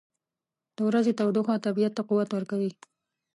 • د ورځې تودوخه طبیعت ته قوت ورکوي.